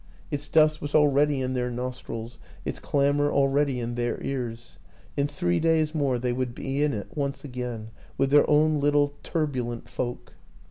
Its dust was already in their nostrils, its clamor WILLIAM AN ENGLISHMAN 55 already in their ears; in three days more they would be in it once again with their own little turbulent folk.